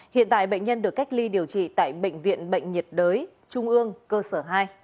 hiện tại bệnh nhân được cách ly điều trị tại bệnh viện bệnh nhiệt đới trung ương cơ sở hai